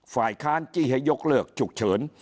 ฝ่ายค้านจี้ให้ยกเลิกฉุกเฉิน